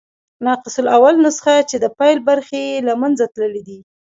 ناقص الاول نسخه، چي د پيل برخي ئې له منځه تللي يي.